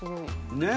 ねえ。